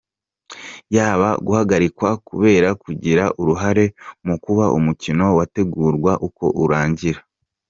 Yaba guhagarikwa kubera kugira uruhare mu kuba umukino wategurwa uko urangira.